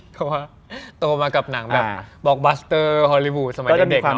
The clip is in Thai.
เพราะว่าโตมากับหนังแบบบอกบัสเตอร์ฮอลลี่วูดสมัยเด็ก